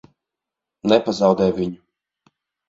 Nepazaudē viņu!